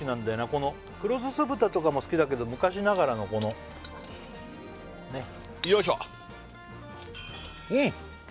この黒酢酢豚とかも好きだけど昔ながらのこのねっよいしょうん！